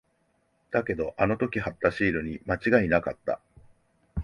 だけど、あの時貼ったシールに間違いなかった。